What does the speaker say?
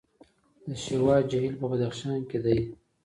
د شیوا جهیل په بدخشان کې دی